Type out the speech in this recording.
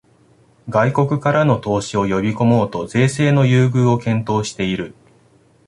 外国からの投資を呼びこもうと税制の優遇を検討している